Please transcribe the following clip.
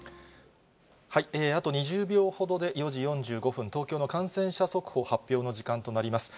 あと２０秒ほどで、４時４５分、東京の感染者速報発表の時間となります。